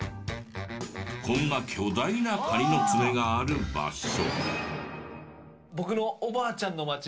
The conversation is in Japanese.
こんな巨大なカニの爪がある場所。